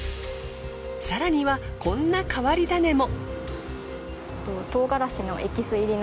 更にはこんな変わり種も。